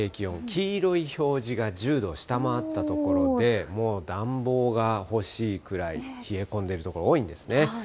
黄色い表示が１０度を下回った所で、もう暖房が欲しいくらい冷え込んでいる所、多いんですね。